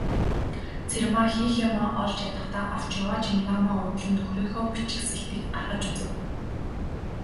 Цэрмаа хийх юмаа олж ядахдаа авч яваа чемоданаа уудлан нөхрийнхөө бичиг сэлтийг гаргаж үзэв.